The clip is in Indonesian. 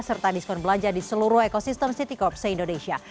serta diskon belanja di seluruh ekosistem citicorp se indonesia